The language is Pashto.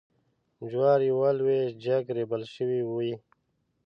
جوارېوه لویشت جګ ریبل شوي وې.